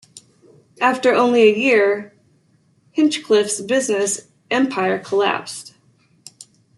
After only a year, Hinchliffe's business empire collapsed.